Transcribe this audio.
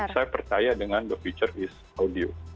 saya percaya dengan the future is audio